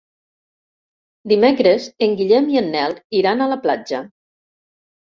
Dimecres en Guillem i en Nel iran a la platja.